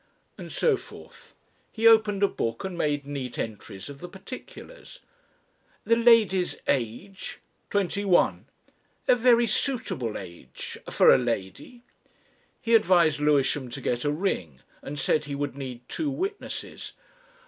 And so forth. He opened a book and made neat entries of the particulars. "The lady's age?" "Twenty one." "A very suitable age ... for a lady." He advised Lewisham to get a ring, and said he would need two witnesses.